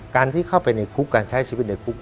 การที่เข้าไปในคุกการใช้ชีวิตในคุก